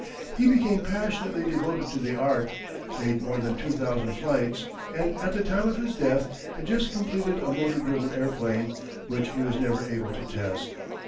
He became passionately devoted to the art, made more than two thousand flights, and at the time of his death had just completed a motor driven airplane, which he was never able to test.